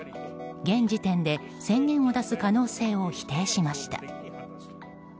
現時点で、宣言を出す可能性を否定しました。